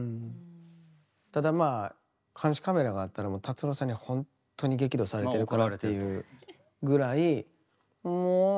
ただまあ監視カメラがあったらもう達郎さんにほんとに激怒されてるかなっていうぐらい。